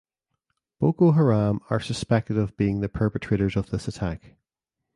Boko Haram are suspected of being the perpetrators of this attack.